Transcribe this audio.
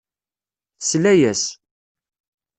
Tesla-as.